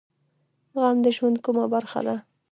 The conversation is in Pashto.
غم د ژوند کومه برخه ده؟